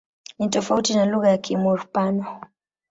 Ni tofauti na lugha ya Kimur-Pano.